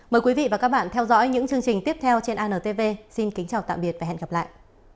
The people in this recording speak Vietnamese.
mời quý vị và các bạn theo dõi những chương trình tiếp theo trên antv xin kính chào tạm biệt và hẹn gặp lại